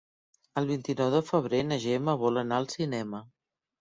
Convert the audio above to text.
El vint-i-nou de febrer na Gemma vol anar al cinema.